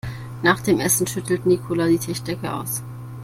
Nach dem Essen schüttelt Nicola die Tischdecke aus.